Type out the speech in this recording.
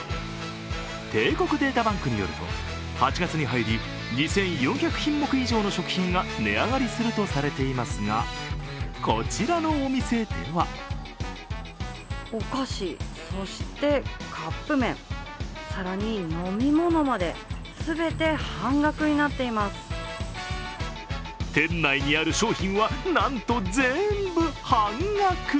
帝国データバンクによると８月に入り２４００品目以上の食品が値上がりするとされていますが、こちらのお店では店内にある商品はなんと全部半額。